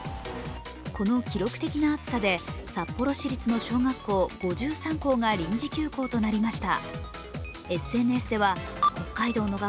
この記録的な暑さで札幌市立の小学校５３校が臨時休校となりました。